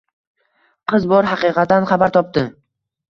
Qozi bor haqiqatdan xabar topdi.